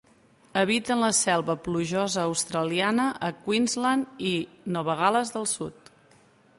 Habiten la selva plujosa australiana a Queensland i Nova Gal·les del Sud.